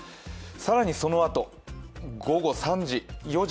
更にそのあと、午後３時、４時。